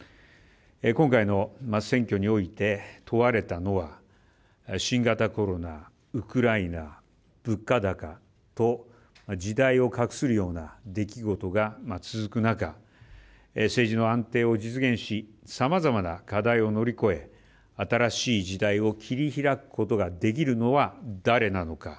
今回の選挙において問われたことは新型コロナ、ウクライナ物価高と時代を画するような出来事が続く中、政治の安定を実現しさまざまな課題を乗り越え新しい時代を切り開くことができるのは誰なのか。